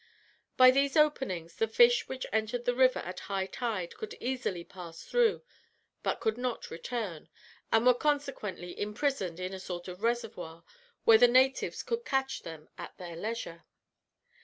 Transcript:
By these openings the fish which entered the river at high tide could easily pass through, but could not return, and were consequently imprisoned in a sort of reservoir, where the natives could catch them at their leisure.